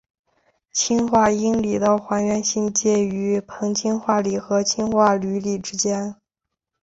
氢化铟锂的还原性介于硼氢化锂和氢化铝锂之间。